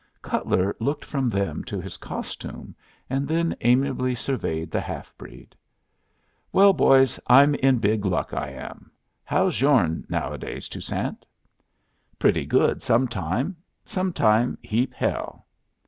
Cutler looked from them to his costume, and then amiably surveyed the half breed. "Well, boys, I'm in big luck, I am. How's yourn nowadays, Toussaint?" "Pretty good sometime. Sometime heap hell."